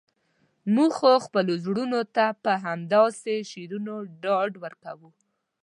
موږ خو خپلو زړونو ته په همداسې شعرونو ډاډ ورکوو.